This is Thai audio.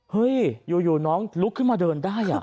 เฮ้ยอยู่น้องลุกขึ้นมาเดินได้